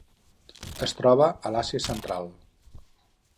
Es troba a l'Àsia Central.